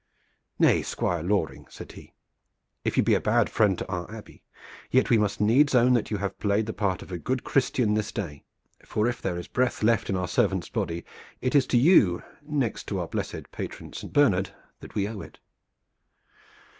"Nay, Squire Loring," said he, "if you be a bad friend to our Abbey, yet we must needs own that you have played the part of a good Christian this day, for if there is breath left in our servant's body it is to you next to our blessed patron Saint Bernard that we owe it."